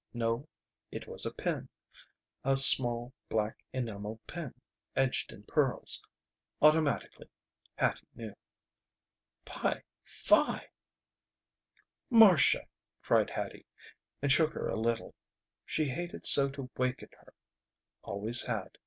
No. It was a pin a small black enameled pin edged in pearls. Automatically Hattie knew. "Pi Phi!" "Marcia," cried Hattie, and shook her a little. She hated so to waken her. Always had.